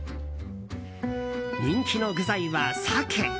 人気の具材は、サケ。